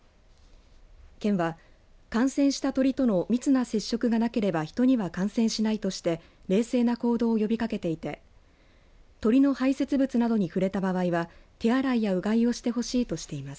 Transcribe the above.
県は感染した鳥との密な接触がなければ人には感染しないとして冷静な行動を呼びかけていて鳥の排せつ物などに触れた場合は手洗いや、うがいをしてほしいとしています。